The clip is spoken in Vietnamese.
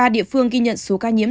ba địa phương ghi nhận số ca nhiễm